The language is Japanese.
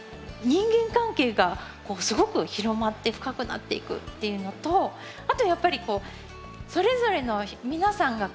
人間関係がすごく広まって深くなっていくっていうのとあとやっぱりそれぞれの皆さんが感じるものがすごくこう